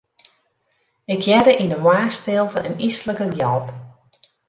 Ik hearde yn 'e moarnsstilte in yslike gjalp.